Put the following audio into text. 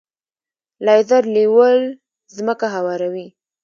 لیزر لیول ځمکه هواروي.